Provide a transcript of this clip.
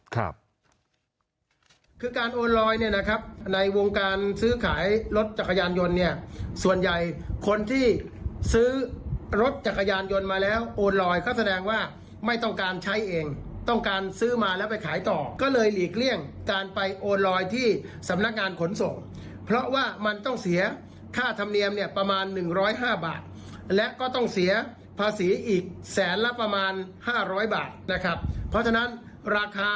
คือการโอนลอยเนี่ยนะครับในวงการซื้อขายรถจักรยานยนต์เนี่ยส่วนใหญ่คนที่ซื้อรถจักรยานยนต์มาแล้วโอนลอยก็แสดงว่าไม่ต้องการใช้เองต้องการซื้อมาแล้วไปขายต่อก็เลยหลีกเลี่ยงการไปโอนลอยที่สำนักงานขนส่งเพราะว่ามันต้องเสียค่าธรรมเนียมเนี่ยประมาณหนึ่งร้อยห้าบาทและก็ต้องเสียภาษีอีกแสนละประมาณห้าร้อยบาทนะครับเพราะฉะนั้นราคา